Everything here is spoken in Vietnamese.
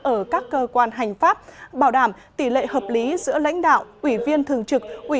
ở các cơ quan hành pháp bảo đảm tỷ lệ hợp lý giữa lãnh đạo ủy viên thường trực